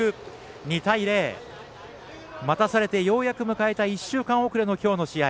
２対０、待たされてようやく迎えた、１週間遅れのきょうの試合。